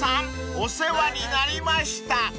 お世話になりました］